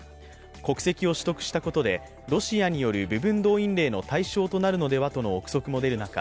国籍を取得したことでロシアによる部分動員令の対象となるのではとの憶測も出る中